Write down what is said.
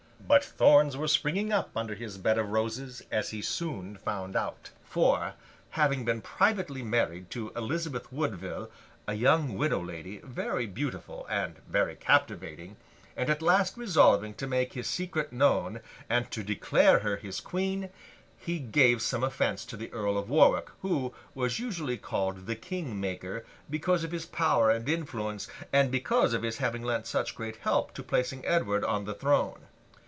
But, thorns were springing up under his bed of roses, as he soon found out. For, having been privately married to Elizabeth Woodville, a young widow lady, very beautiful and very captivating; and at last resolving to make his secret known, and to declare her his Queen; he gave some offence to the Earl of Warwick, who was usually called the King Maker, because of his power and influence, and because of his having lent such great help to placing Edward on the throne.